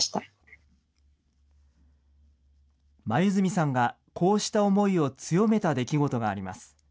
黛さんがこうした思いを強めた出来事があります。